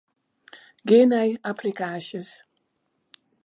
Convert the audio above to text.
Gean nei applikaasjes.